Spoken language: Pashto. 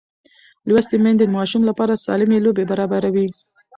لوستې میندې د ماشوم لپاره سالمې لوبې برابروي.